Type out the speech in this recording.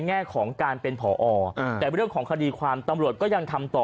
แง่ของการเป็นผอแต่เรื่องของคดีความตำรวจก็ยังทำต่อ